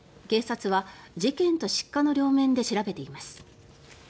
警察は事件と失火の両面で調べています。